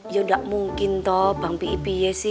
ya gak mungkin toh bang pip